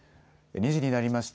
２時になりました。